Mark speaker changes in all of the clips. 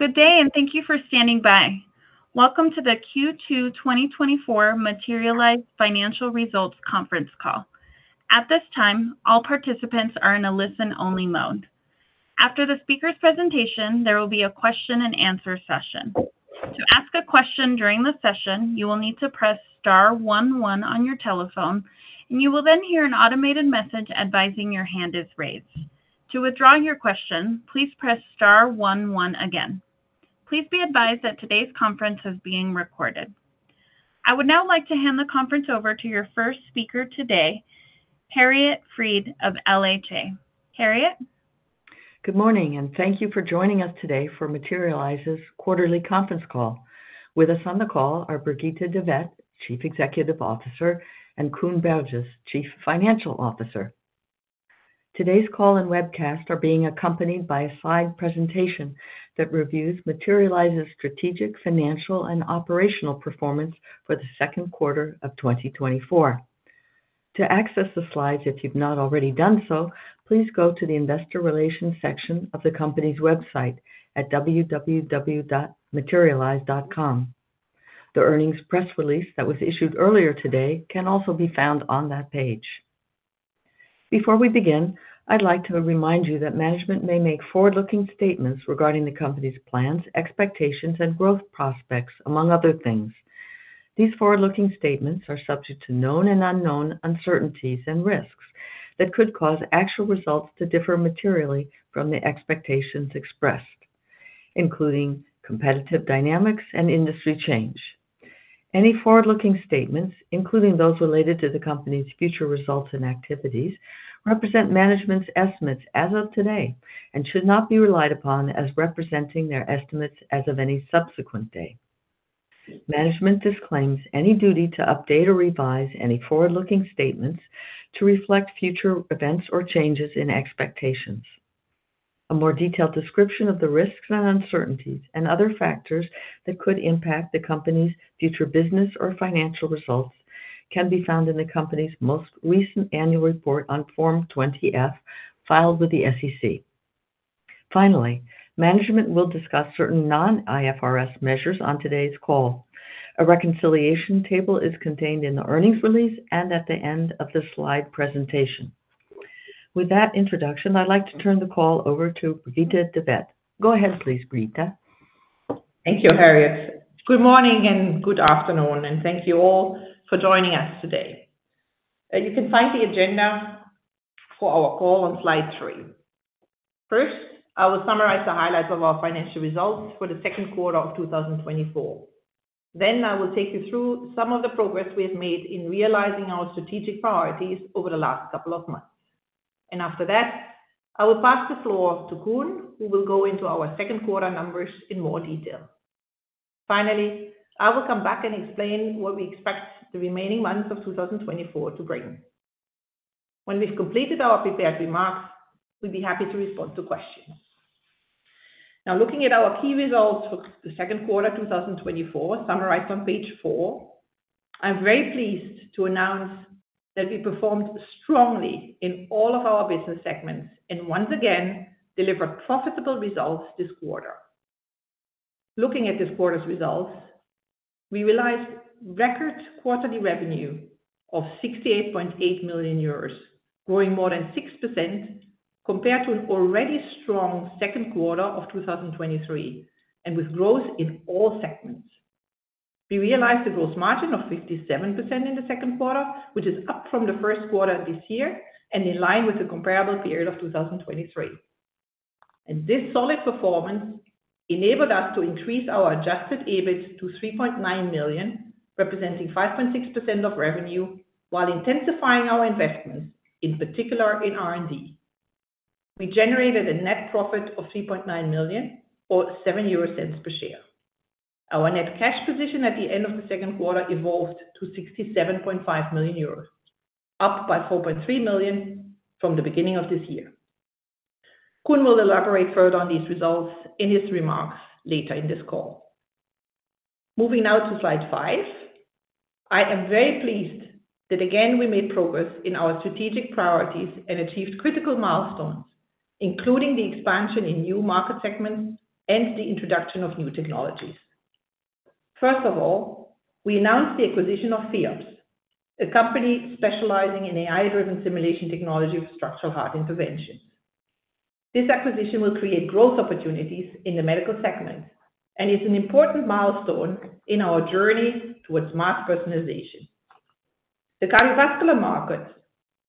Speaker 1: Good day, and thank you for standing by. Welcome to the Q2 2024 Materialise Financial Results Conference Call. At this time, all participants are in a listen-only mode. After the speaker's presentation, there will be a question-and-answer session. To ask a question during the session, you will need to press star 11 on your telephone, and you will then hear an automated message advising your hand is raised. To withdraw your question, please press star 11 again. Please be advised that today's conference is being recorded. I would now like to hand the conference over to your first speaker today, Harriet Fried of LHA. Harriet?
Speaker 2: Good morning, and thank you for joining us today for Materialise's quarterly conference call. With us on the call are Brigitte de Vet-Veithen, Chief Executive Officer, and Koen Berges, Chief Financial Officer. Today's call and webcast are being accompanied by a slide presentation that reviews Materialise's strategic, financial, and operational performance for the Q2 of 2024. To access the slides, if you've not already done so, please go to the Investor Relations section of the company's website at www.materialise.com. The earnings press release that was issued earlier today can also be found on that page. Before we begin, I'd like to remind you that management may make forward-looking statements regarding the company's plans, expectations, and growth prospects, among other things. These forward-looking statements are subject to known and unknown uncertainties and risks that could cause actual results to differ materially from the expectations expressed, including competitive dynamics and industry change. Any forward-looking statements, including those related to the company's future results and activities, represent management's estimates as of today and should not be relied upon as representing their estimates as of any subsequent day. Management disclaims any duty to update or revise any forward-looking statements to reflect future events or changes in expectations. A more detailed description of the risks and uncertainties and other factors that could impact the company's future business or financial results can be found in the company's most recent annual report on Form 20-F filed with the SEC. Finally, management will discuss certain non-IFRS measures on today's call. A reconciliation table is contained in the earnings release and at the end of the slide presentation. With that introduction, I'd like to turn the call over to Brigitte de Vet-Veithen. Go ahead, please, Brigitte.
Speaker 3: Thank you, Harriet. Good morning and good afternoon, and thank you all for joining us today. You can find the agenda for our call on slide three. First, I will summarize the highlights of our financial results for the Q2 of 2024. I will take you through some of the progress we have made in realizing our strategic priorities over the last couple of months. After that, I will pass the floor to Koen, who will go into our Q2 numbers in more detail. Finally, I will come back and explain what we expect the remaining months of 2024 to bring. When we've completed our prepared remarks, we'd be happy to respond to questions. Now, looking at our key results for the Q2 2024, summarized on page 4, I'm very pleased to announce that we performed strongly in all of our business segments and once again delivered profitable results this quarter. Looking at this quarter's results, we realized record quarterly revenue of 68.8 million euros, growing more than 6% compared to an already strong Q2 of 2023, and with growth in all segments. We realized a gross margin of 57% in the Q2, which is up from the Q1 this year and in line with the comparable period of 2023. This solid performance enabled us to increase our adjusted EBIT to 3.9 million, representing 5.6% of revenue, while intensifying our investments, in particular in R&D. We generated a net profit of 3.9 million, or 7 euro per share. Our net cash position at the end of the Q2 evolved to €67.5 million, up by €4.3 million from the beginning of this year. Koen will elaborate further on these results in his remarks later in this call. Moving now to slide five, I am very pleased that again we made progress in our strategic priorities and achieved critical milestones, including the expansion in new market segments and the introduction of new technologies. First of all, we announced the acquisition of FEops, a company specializing in AI-driven simulation technology for structural heart interventions. This acquisition will create growth opportunities in the medical segment and is an important milestone in our journey towards mass personalization. The cardiovascular market,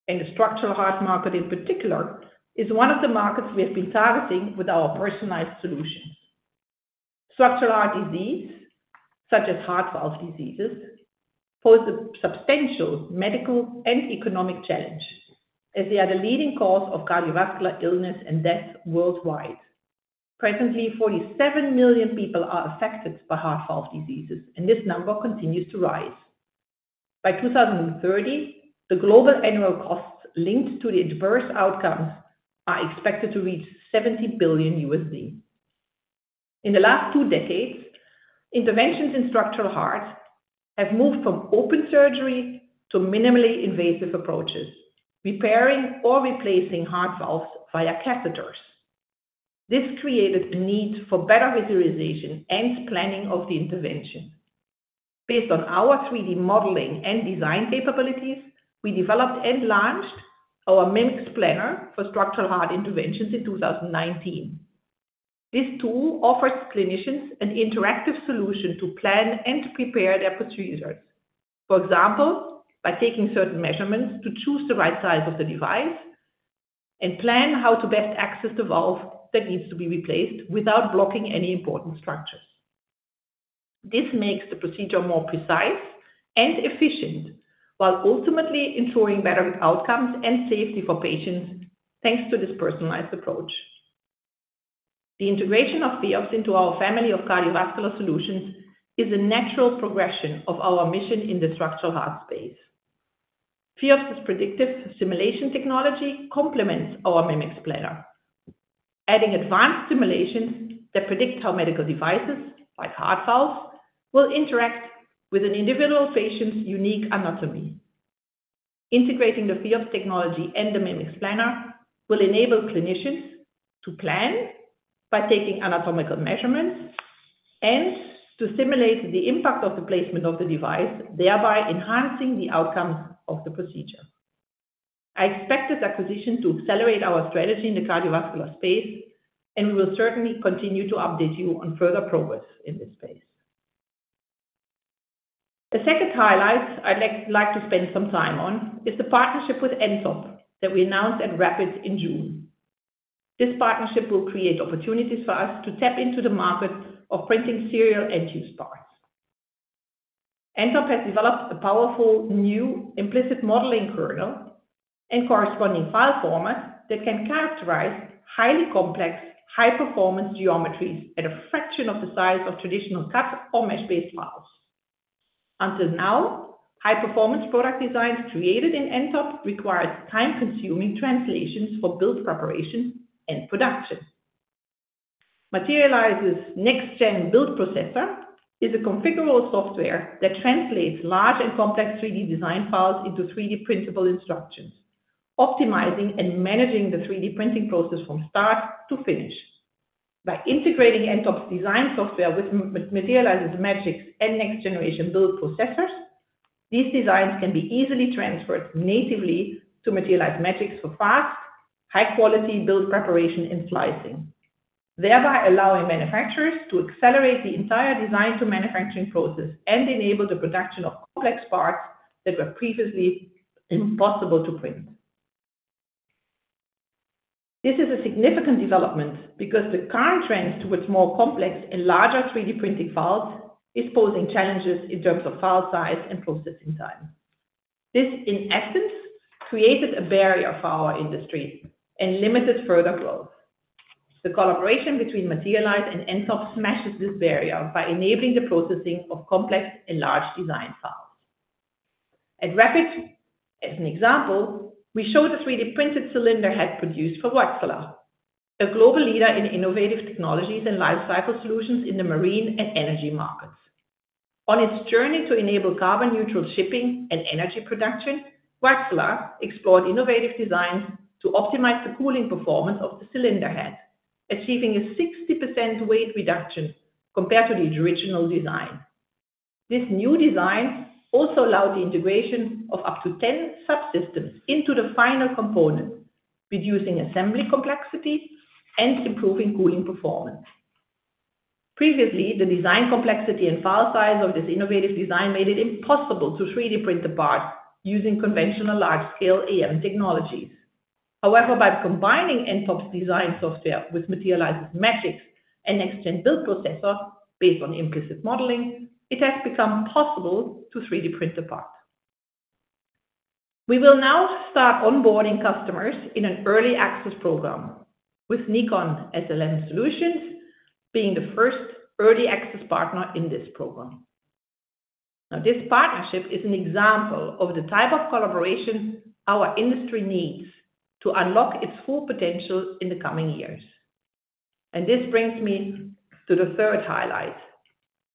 Speaker 3: and the structural heart market in particular, is one of the markets we have been targeting with our personalized solutions. Structural heart disease, such as heart valve diseases, poses a substantial medical and economic challenge as they are the leading cause of cardiovascular illness and death worldwide. Presently, 47 million people are affected by heart valve diseases, and this number continues to rise. By 2030, the global annual costs linked to the adverse outcomes are expected to reach EUR 70 billion. In the last two decades, interventions in structural heart have moved from open surgery to minimally invasive approaches, repairing or replacing heart valves via catheters. This created a need for better visualization and planning of the intervention. Based on our 3D modeling and design capabilities, we developed and launched our Mimics Planner for structural heart interventions in 2019. This tool offers clinicians an interactive solution to plan and prepare their procedures, for example, by taking certain measurements to choose the right size of the device and plan how to best access the valve that needs to be replaced without blocking any important structures. This makes the procedure more precise and efficient while ultimately ensuring better outcomes and safety for patients thanks to this personalized approach. The integration of FEops into our family of cardiovascular solutions is a natural progression of our mission in the structural heart space. FEops's predictive simulation technology complements our Mimics Planner, adding advanced simulations that predict how medical devices like heart valves will interact with an individual patient's unique anatomy. Integrating the FEops technology and the Mimics Planner will enable clinicians to plan by taking anatomical measurements and to simulate the impact of the placement of the device, thereby enhancing the outcomes of the procedure. I expect this acquisition to accelerate our strategy in the cardiovascular space, and we will certainly continue to update you on further progress in this space. The second highlight I'd like to spend some time on is the partnership with nTop that we announced at RAPID in June. This partnership will create opportunities for us to tap into the market of printing serial end-use parts. nTop has developed a powerful new implicit modeling kernel and corresponding file format that can characterize highly complex, high-performance geometries at a fraction of the size of traditional cut or mesh-based files. Until now, high-performance product designs created in nTop required time-consuming translations for build preparation and production. Materialise's Next-Gen Build Processor is a configurable software that translates large and complex 3D design files into 3D printable instructions, optimizing and managing the 3D printing process from start to finish. By integrating nTop's design software with Materialise's Magics and next-generation build processors, these designs can be easily transferred natively to Materialise Magics for fast, high-quality build preparation and slicing, thereby allowing manufacturers to accelerate the entire design-to-manufacturing process and enable the production of complex parts that were previously impossible to print. This is a significant development because the current trend towards more complex and larger 3D printing files is posing challenges in terms of file size and processing time. This, in essence, created a barrier for our industry and limited further growth. The collaboration between Materialise and nTop smashes this barrier by enabling the processing of complex and large design files. At RAPID, as an example, we showed a 3D printed cylinder head produced for Wärtsilä, a global leader in innovative technologies and life cycle solutions in the marine and energy markets. On its journey to enable carbon-neutral shipping and energy production, Wärtsilä explored innovative designs to optimize the cooling performance of the cylinder head, achieving a 60% weight reduction compared to the original design. This new design also allowed the integration of up to 10 subsystems into the final component, reducing assembly complexity and improving cooling performance. Previously, the design complexity and file size of this innovative design made it impossible to 3D print the part using conventional large-scale AM technologies. However, by combining nTop's design software with Materialise's Magics and Next-Gen Build Processor based on Implicit Modeling, it has become possible to 3D print the part. We will now start onboarding customers in an early access program, with Nikon SLM Solutions being the first early access partner in this program. Now, this partnership is an example of the type of collaborations our industry needs to unlock its full potential in the coming years. This brings me to the third highlight,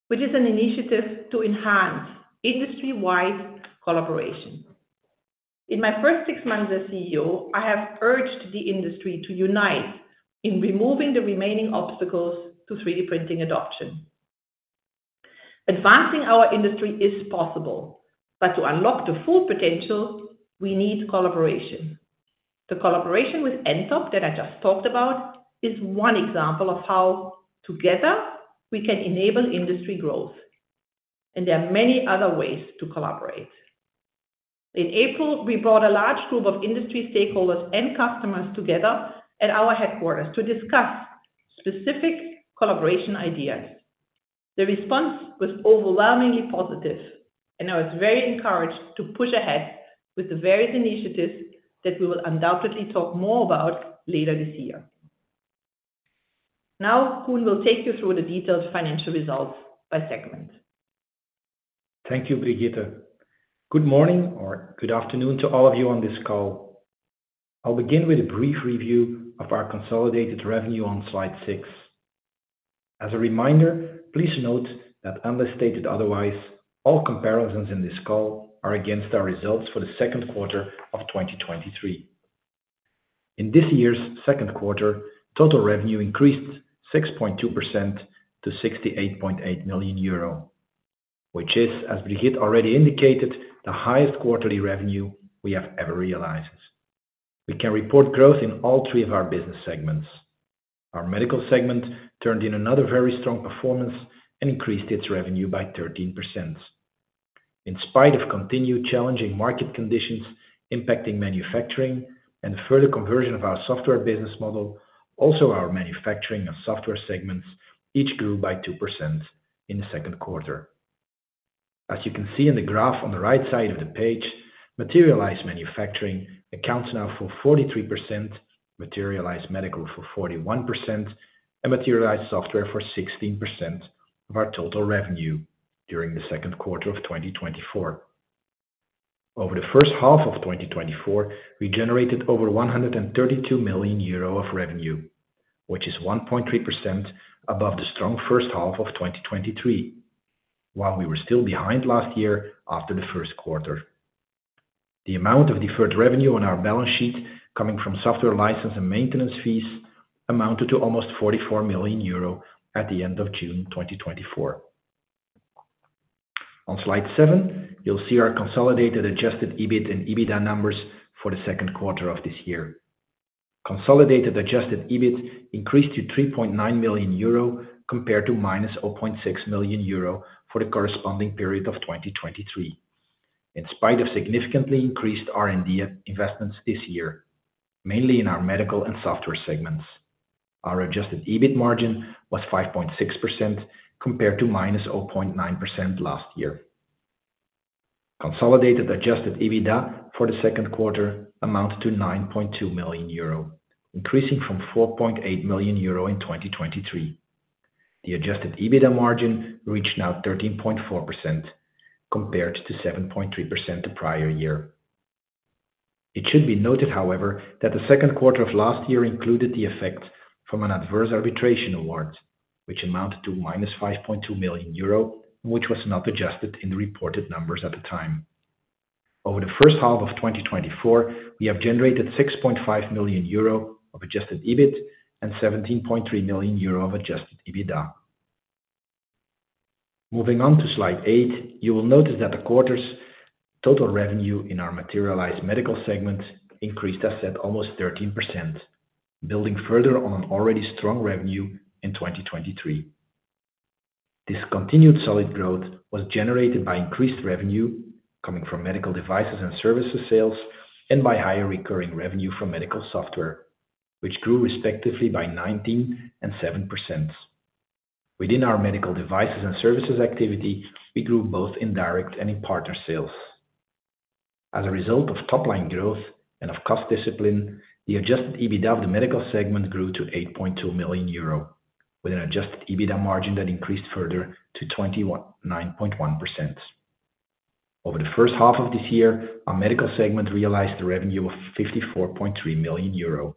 Speaker 3: which is an initiative to enhance industry-wide collaboration. In my first six months as CEO, I have urged the industry to unite in removing the remaining obstacles to 3D printing adoption. Advancing our industry is possible, but to unlock the full potential, we need collaboration. The collaboration with nTop that I just talked about is one example of how together we can enable industry growth. There are many other ways to collaborate. In April, we brought a large group of industry stakeholders and customers together at our headquarters to discuss specific collaboration ideas. The response was overwhelmingly positive, and I was very encouraged to push ahead with the various initiatives that we will undoubtedly talk more about later this year. Now, Koen will take you through the detailed financial results by segment.
Speaker 4: Thank you, Brigitte. Good morning or good afternoon to all of you on this call. I'll begin with a brief review of our consolidated revenue on slide six. As a reminder, please note that, unless stated otherwise, all comparisons in this call are against our results for the Q2 of 2023. In this year's Q2, total revenue increased 6.2% to 68.8 million euro, which is, as Brigitte already indicated, the highest quarterly revenue we have ever realized. We can report growth in all three of our business segments. Our medical segment turned in another very strong performance and increased its revenue by 13%. In spite of continued challenging market conditions impacting manufacturing and further conversion of our software business model, also our manufacturing and software segments each grew by 2% in the Q2. As you can see in the graph on the right side of the page, Materialise manufacturing accounts now for 43%, Materialise medical for 41%, and Materialise software for 16% of our total revenue during the Q2 of 2024. Over the first half of 2024, we generated over 132 million euro of revenue, which is 1.3% above the strong first half of 2023, while we were still behind last year after the Q1. The amount of deferred revenue on our balance sheet coming from software license and maintenance fees amounted to almost 44 million euro at the end of June 2024. On slide 7, you'll see our consolidated adjusted EBIT and EBITDA numbers for the Q2 of this year. Consolidated adjusted EBIT increased to €3.9 million compared to -€0.6 million for the corresponding period of 2023, in spite of significantly increased R&D investments this year, mainly in our medical and software segments. Our adjusted EBIT margin was 5.6% compared to -0.9% last year. Consolidated adjusted EBITDA for the Q2 amounted to €9.2 million, increasing from €4.8 million in 2023. The adjusted EBITDA margin reached now 13.4% compared to 7.3% the prior year. It should be noted, however, that the Q2 of last year included the effect from an adverse arbitration award, which amounted to -€5.2 million, which was not adjusted in the reported numbers at the time. Over the first half of 2024, we have generated €6.5 million of adjusted EBIT and €17.3 million of adjusted EBITDA. Moving on to slide eight, you will notice that the quarter's total revenue in our Materialise medical segment increased as said almost 13%, building further on an already strong revenue in 2023. This continued solid growth was generated by increased revenue coming from medical devices and services sales and by higher recurring revenue from medical software, which grew respectively by 19% and 7%. Within our medical devices and services activity, we grew both in direct and in partner sales. As a result of top-line growth and of cost discipline, the Adjusted EBITDA of the medical segment grew to 8.2 million euro, with an Adjusted EBITDA margin that increased further to 29.1%. Over the first half of this year, our medical segment realized a revenue of 54.3 million euro,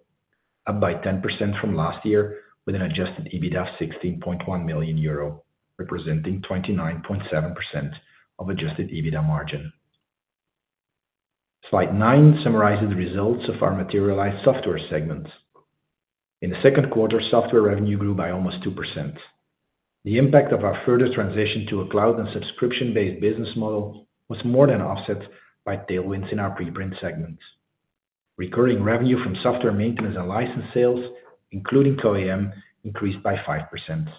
Speaker 4: up by 10% from last year, with an Adjusted EBITDA of 16.1 million euro, representing 29.7% of Adjusted EBITDA margin. Slide nine summarizes the results of our Materialise software segment. In the Q2, software revenue grew by almost 2%. The impact of our further transition to a cloud and subscription-based business model was more than offset by tailwinds in our preprint segment. Recurring revenue from software maintenance and license sales, including CO-AM, increased by 5%.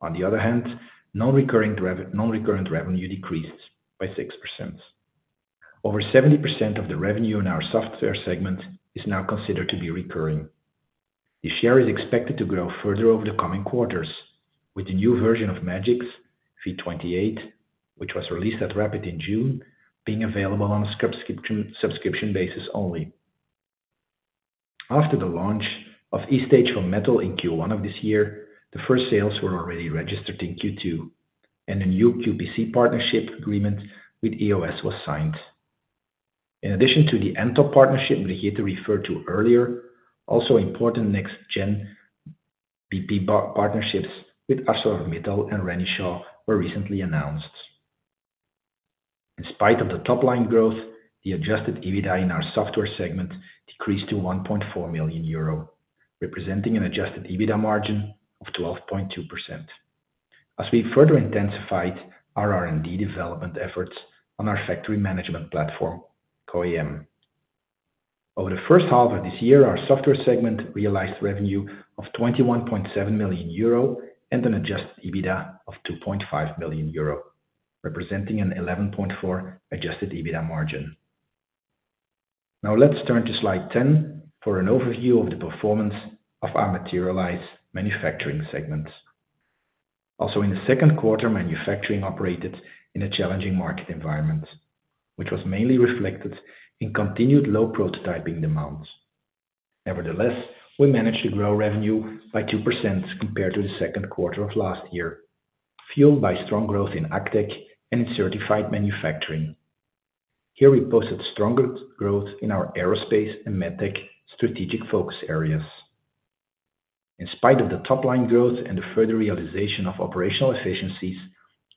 Speaker 4: On the other hand, non-recurring revenue decreased by 6%. Over 70% of the revenue in our software segment is now considered to be recurring. The share is expected to grow further over the coming quarters, with the new version of Magics V28, which was released at RAPID in June, being available on a subscription basis only. After the launch of e-Stage for Metal in Q1 of this year, the first sales were already registered in Q2, and a new QPC partnership agreement with EOS was signed. In addition to the nTop partnership Brigitte referred to earlier, also important next-gen BP partnerships with HBD and Renishaw were recently announced. In spite of the top-line growth, the adjusted EBITDA in our software segment decreased to 1.4 million euro, representing an adjusted EBITDA margin of 12.2%, as we further intensified our R&D development efforts on our factory management platform, CO-AM. Over the first half of this year, our software segment realized revenue of 21.7 million euro and an adjusted EBITDA of 2.5 million euro, representing an 11.4% adjusted EBITDA margin. Now, let's turn to slide 10 for an overview of the performance of our Materialise manufacturing segment. Also, in the Q2, manufacturing operated in a challenging market environment, which was mainly reflected in continued low prototyping demands. Nevertheless, we managed to grow revenue by 2% compared to the Q2 of last year, fueled by strong growth in ACTech and in certified manufacturing. Here, we posted stronger growth in our aerospace and medtech strategic focus areas. In spite of the top-line growth and the further realization of operational efficiencies,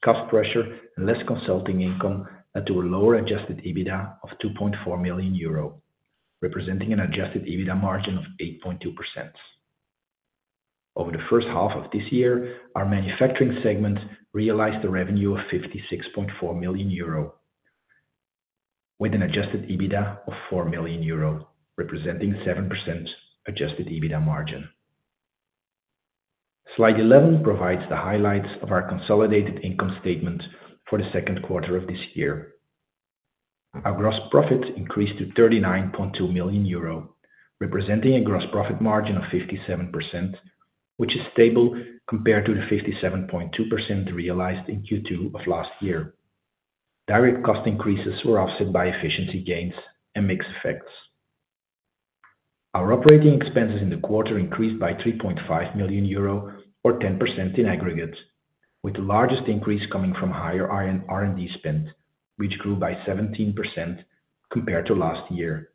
Speaker 4: cost pressure and less consulting income led to a lower Adjusted EBITDA of 2.4 million euro, representing an Adjusted EBITDA margin of 8.2%. Over the first half of this year, our manufacturing segment realized a revenue of 56.4 million euro, with an Adjusted EBITDA of 4 million euro, representing 7% Adjusted EBITDA margin. Slide 11 provides the highlights of our consolidated income statement for the Q2 of this year. Our gross profit increased to 39.2 million euro, representing a gross profit margin of 57%, which is stable compared to the 57.2% realized in Q2 of last year. Direct cost increases were offset by efficiency gains and mixed effects. Our operating expenses in the quarter increased by €3.5 million, or 10% in aggregate, with the largest increase coming from higher R&D spend, which grew by 17% compared to last year.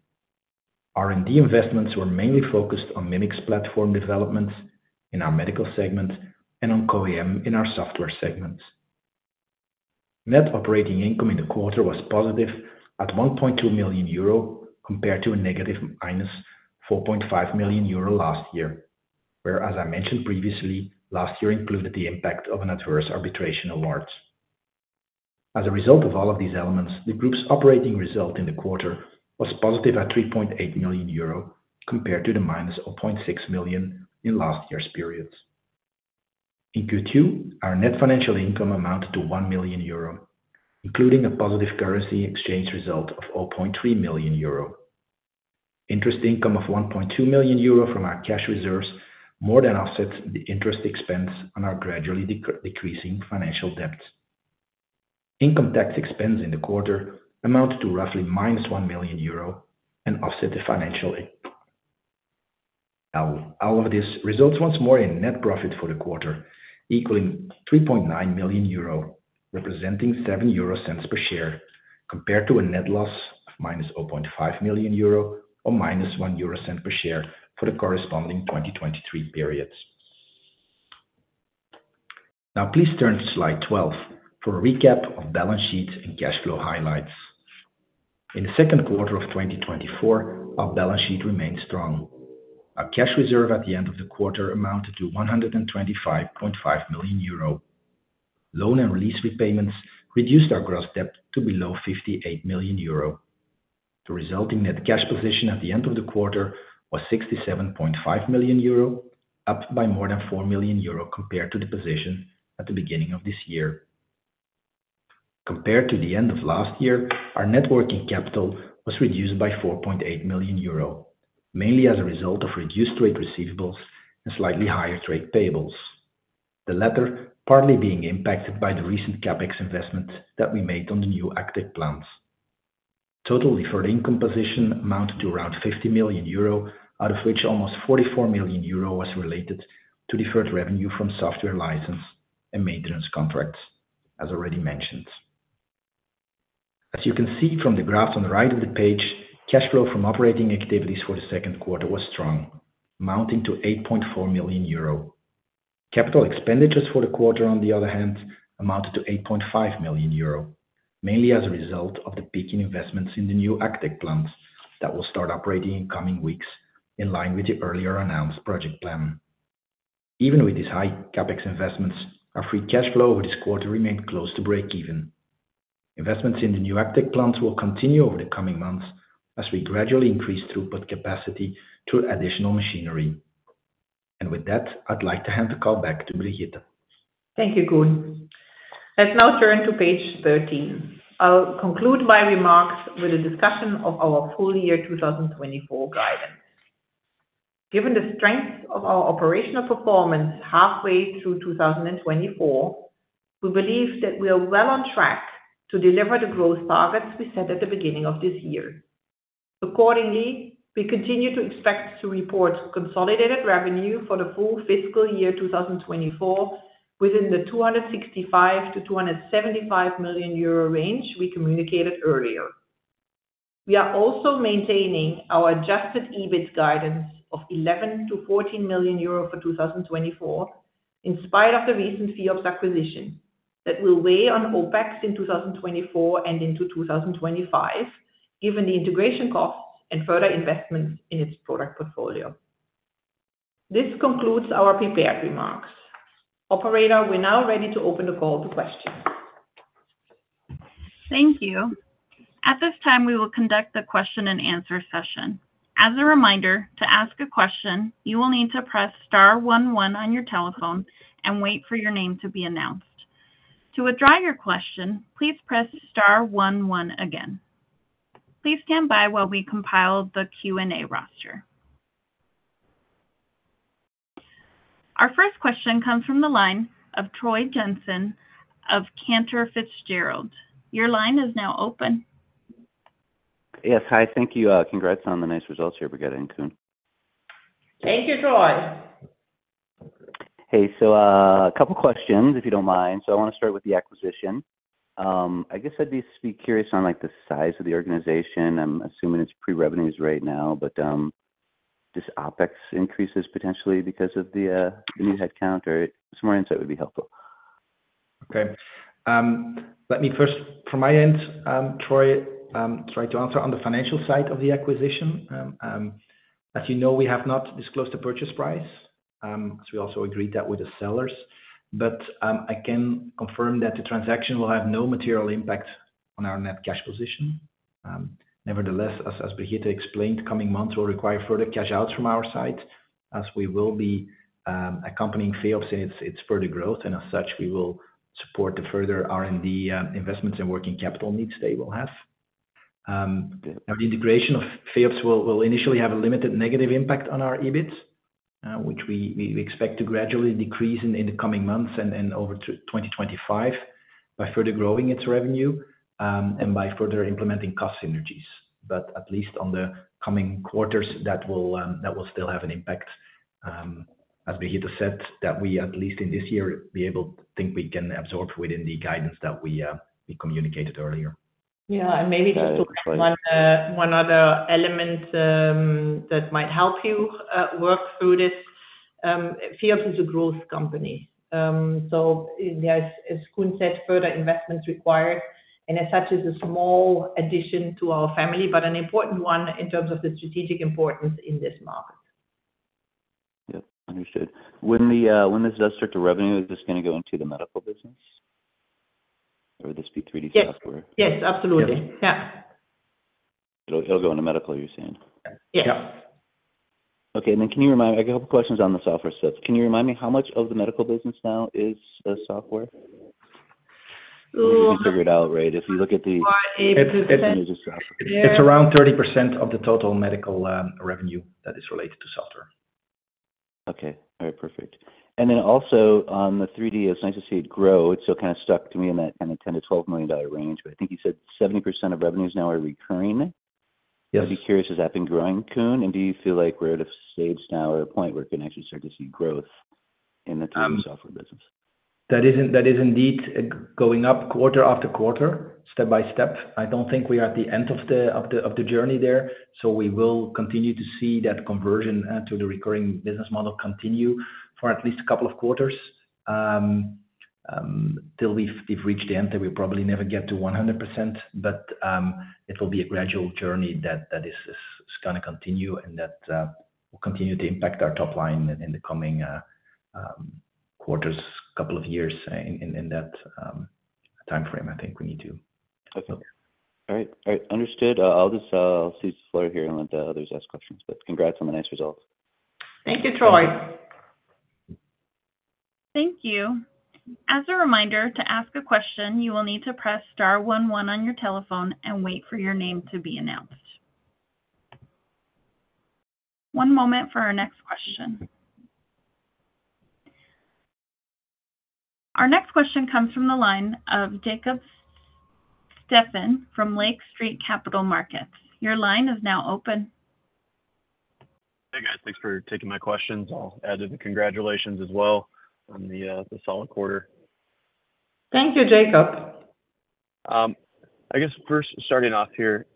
Speaker 4: R&D investments were mainly focused on Mimics platform developments in our medical segment and on CO-AM in our software segment. Net operating income in the quarter was positive at €1.2 million compared to a negative minus €4.5 million last year, where, as I mentioned previously, last year included the impact of an adverse arbitration award. As a result of all of these elements, the group's operating result in the quarter was positive at €3.8 million compared to the minus €0.6 million in last year's period. In Q2, our net financial income amounted to €1 million, including a positive currency exchange result of €0.3 million. Interest income of 1.2 million euro from our cash reserves more than offsets the interest expense on our gradually decreasing financial debt. Income tax expense in the quarter amounted to roughly minus 1 million euro and offset the financial. Now, all of this results once more in net profit for the quarter, equaling 3.9 million euro, representing 7 euro per share compared to a net loss of minus 0.5 million euro or minus 1 euro per share for the corresponding 2023 periods. Now, please turn to slide 12 for a recap of balance sheet and cash flow highlights. In the Q2 of 2024, our balance sheet remained strong. Our cash reserve at the end of the quarter amounted to 125.5 million euro. Loan and release repayments reduced our gross debt to below 58 million euro. The resulting net cash position at the end of the quarter was 67.5 million euro, up by more than 4 million euro compared to the position at the beginning of this year. Compared to the end of last year, our net working capital was reduced by 4.8 million euro, mainly as a result of reduced trade receivables and slightly higher trade payables, the latter partly being impacted by the recent CapEx investment that we made on the new ACTech plants. Total deferred income position amounted to around 50 million euro, out of which almost 44 million euro was related to deferred revenue from software license and maintenance contracts, as already mentioned. As you can see from the graph on the right of the page, cash flow from operating activities for the Q2 was strong, amounting to 8.4 million euro. Capital expenditures for the quarter, on the other hand, amounted to 8.5 million euro, mainly as a result of the peak in investments in the new ACTech plants that will start operating in coming weeks, in line with the earlier announced project plan. Even with these high CapEx investments, our free cash flow over this quarter remained close to break-even. Investments in the new ACTech plants will continue over the coming months as we gradually increase throughput capacity to additional machinery. And with that, I'd like to hand the call back to Brigitte.
Speaker 3: Thank you, Koen. Let's now turn to page 13. I'll conclude my remarks with a discussion of our full year 2024 guidance. Given the strength of our operational performance halfway through 2024, we believe that we are well on track to deliver the growth targets we set at the beginning of this year. Accordingly, we continue to expect to report consolidated revenue for the full fiscal year 2024 within the 265 million-275 million euro range we communicated earlier. We are also maintaining our adjusted EBIT guidance of 11 million-14 million euro for 2024, in spite of the recent FEops acquisition that will weigh on OpEx in 2024 and into 2025, given the integration costs and further investments in its product portfolio. This concludes our prepared remarks. Operator, we're now ready to open the call to questions.
Speaker 1: Thank you. At this time, we will conduct the question and answer session. As a reminder, to ask a question, you will need to press star 11 on your telephone and wait for your name to be announced. To withdraw your question, please press star 11 again. Please stand by while we compile the Q&A roster. Our first question comes from the line of Troy Jensen of Cantor Fitzgerald. Your line is now open.
Speaker 5: Yes. Hi. Thank you. Congrats on the nice results here we're getting, Koen. Thank you, Troy. Hey, so a couple of questions, if you don't mind. So I want to start with the acquisition. I guess I'd be curious on the size of the organization. I'm assuming it's pre-revenues right now, but just OPEX increases potentially because of the new headcount, or some more insight would be helpful.
Speaker 4: Okay. Let me first, from my end, try to answer on the financial side of the acquisition. As you know, we have not disclosed the purchase price, as we also agreed that with the sellers. But I can confirm that the transaction will have no material impact on our net cash position. Nevertheless, as Brigitte explained, coming months will require further cash outs from our side, as we will be accompanying FEops in its further growth, and as such, we will support the further R&D investments and working capital needs they will have. Now, the integration of FEops will initially have a limited negative impact on our EBIT, which we expect to gradually decrease in the coming months and over 2025 by further growing its revenue and by further implementing cost synergies. But at least on the coming quarters, that will still have an impact, as Brigitte said, that we at least in this year be able to think we can absorb within the guidance that we communicated earlier. Yeah. And maybe just one other element that might help you work through this. FEops is a growth company.
Speaker 3: So as Koen said, further investments required, and as such, it's a small addition to our family, but an important one in terms of the strategic importance in this market.
Speaker 5: Yes. Understood. When this does start to revenue, is this going to go into the medical business? Or would this be 3D software?
Speaker 3: Yes. Yes. Absolutely. Yeah. It'll go into medical, you're saying? Yeah.
Speaker 5: Okay. And then can you remind me—I got a couple of questions on the software stuff. Can you remind me how much of the medical business now is software?
Speaker 4: We can figure it out, right? If you look at the. It's around 30% of the total medical revenue that is related to software.
Speaker 5: Okay. All right. Perfect. And then also on the 3D, it's nice to see it grow. It's still kind of stuck to me in that kind of $10 million-$12 million range, but I think you said 70% of revenues now are recurring. Yes. I'd be curious, has that been growing, Koen? And do you feel like we're at a stage now or a point where we can actually start to see growth in the 3D software business?
Speaker 4: That is indeed going up quarter-after-quarter, step by step. I don't think we are at the end of the journey there. So we will continue to see that conversion to the recurring business model continue for at least a couple of quarters. Till we've reached the end, we'll probably never get to 100%, but it will be a gradual journey that is going to continue and that will continue to impact our top line in the coming quarters, couple of years in that time frame, I think we need to. Okay. All right.
Speaker 5: All right. Understood. I'll just leave this floor here and let the others ask questions. But congrats on the nice results.
Speaker 3: Thank you, Troy.
Speaker 1: Thank you. As a reminder, to ask a question, you will need to press star 11 on your telephone and wait for your name to be announced. One moment for our next question. Our next question comes from the line of Jacob Steffen from Lake Street Capital Markets. Your line is now open.
Speaker 6: Hey, guys. Thanks for taking my questions. I'll add in the congratulations as well on the Q2.
Speaker 3: Thank you, Jacob.
Speaker 6: I guess first, starting off here,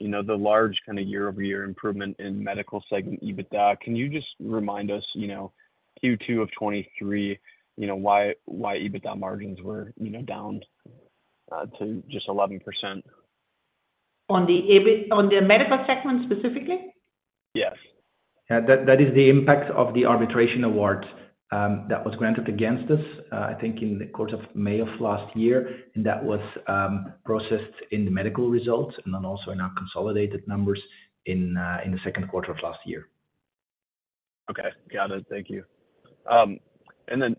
Speaker 6: the large kind of year-over-year improvement in medical segment EBITDA, can you just remind us Q2 of 2023 why EBITDA margins were down to just 11%?
Speaker 3: On the medical segment specifically?
Speaker 6: Yes.
Speaker 4: Yeah. That is the impact of the arbitration award that was granted against us, I think in the course of May of last year, and that was processed in the medical results and then also in our consolidated numbers in the Q2 of last year.
Speaker 6: Okay. Got it. Thank you. And then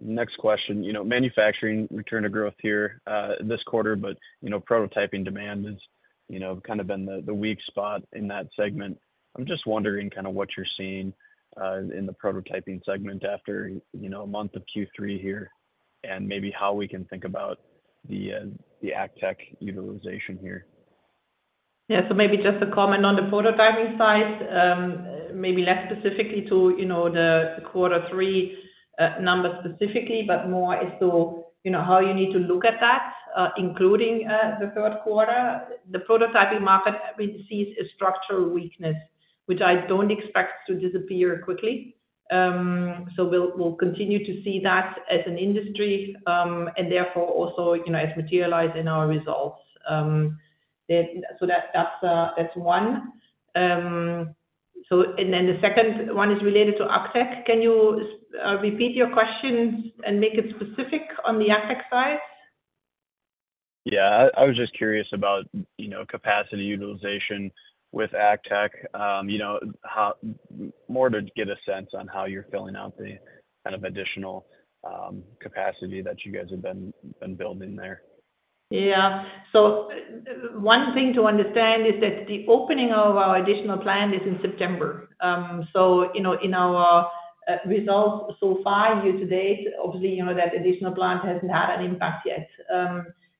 Speaker 6: next question, manufacturing return to growth here this quarter, but prototyping demand has kind of been the weak spot in that segment. I'm just wondering kind of what you're seeing in the prototyping segment after a month of Q3 here and maybe how we can think about the ACTech utilization here. Yeah.
Speaker 3: So maybe just a comment on the prototyping side, maybe less specifically to the quarter three number specifically, but more as to how you need to look at that, including the Q3. The prototyping market sees a structural weakness, which I don't expect to disappear quickly. So we'll continue to see that as an industry and therefore also as materialized in our results. So that's one. And then the second one is related to ACTech. Can you repeat your questions and make it specific on the ACTech side?
Speaker 6: Yeah. I was just curious about capacity utilization with ACTech, more to get a sense on how you're filling out the kind of additional capacity that you guys have been building there.
Speaker 3: Yeah. So one thing to understand is that the opening of our additional plant is in September. So in our results so far, year to date, obviously that additional plan hasn't had an impact yet.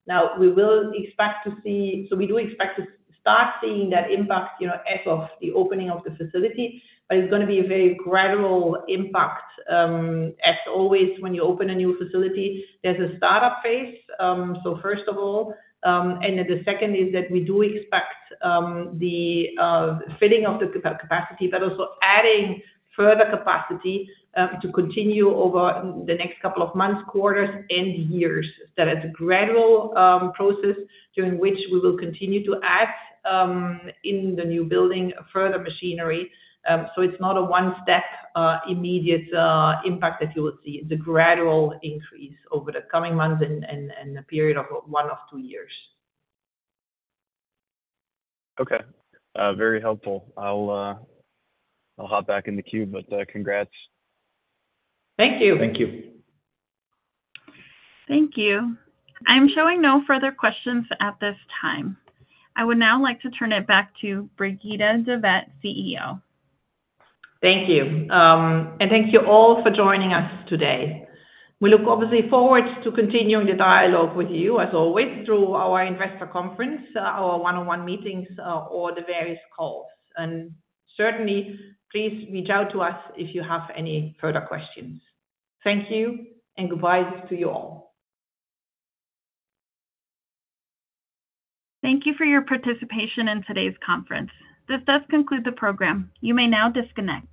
Speaker 3: Now, we will expect to see—so we do expect to start seeing that impact as of the opening of the facility, but it's going to be a very gradual impact. As always, when you open a new facility, there's a startup phase. So first of all. And then the second is that we do expect the filling of the capacity, but also adding further capacity to continue over the next couple of months, quarters, and years. That is a gradual process during which we will continue to add in the new building further machinery. So it's not a one-step immediate impact that you will see. It's a gradual increase over the coming months and a period of one or two years.
Speaker 6: Okay. Very helpful. I'll hop back in the queue, but congrats.
Speaker 4: Thank you. Thank you.
Speaker 1: Thank you. I'm showing no further questions at this time. I would now like to turn it back to Brigitte de Vet-Veithen, CEO.
Speaker 3: Thank you. Thank you all for joining us today. We look obviously forward to continuing the dialogue with you, as always, through our investor conference, our one-on-one meetings, or the various calls. Certainly, please reach out to us if you have any further questions. Thank you, and goodbye to you all.
Speaker 1: Thank you for your participation in today's conference. This does conclude the program. You may now disconnect.